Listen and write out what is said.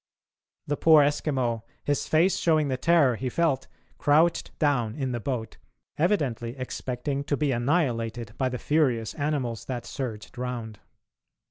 The poor Eskimo, his face showing the terror he felt, crouched down in the boat, evidently expecting to be annihilated by the furious animals that surged round.